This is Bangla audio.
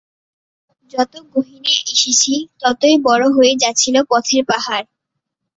যত গহীনে এসেছি ততই বড় হয়ে যাচ্ছিল পথের পাথর।